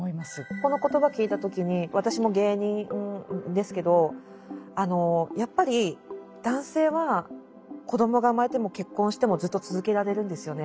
この言葉聞いた時に私も芸人ですけどやっぱり男性は子どもが生まれても結婚してもずっと続けられるんですよね。